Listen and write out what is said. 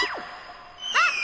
あっ！